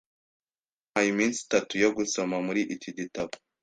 Byantwaye iminsi itatu yo gusoma muri iki gitabo.